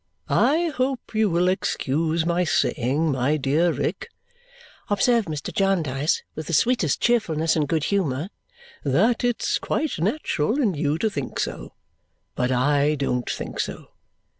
"I hope you will excuse my saying, my dear Rick," observed Mr. Jarndyce with the sweetest cheerfulness and good humour, "that it's quite natural in you to think so, but I don't think so.